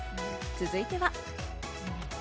続いては。